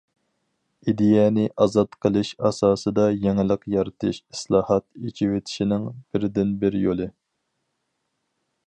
ئىدىيەنى ئازاد قىلىش ئاساسىدا يېڭىلىق يارىتىش ئىسلاھات، ئېچىۋېتىشنىڭ بىردىنبىر يولى.